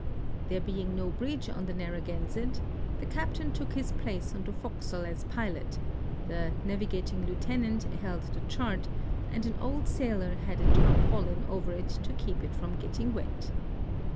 There being no bridge on the Narragansett, the captain took his place on the forecastle as pilot, the navigating lieutenant* held the chart, and an old sailor held a tarpaulin over it to kee|) it from getting wet.